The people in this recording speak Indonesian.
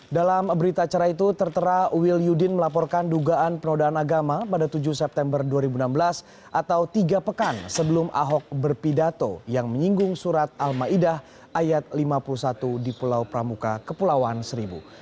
dalam berita acara itu tertera wil yudin melaporkan dugaan penodaan agama pada tujuh september dua ribu enam belas atau tiga pekan sebelum ahok berpidato yang menyinggung surat al ⁇ maidah ⁇ ayat lima puluh satu di pulau pramuka kepulauan seribu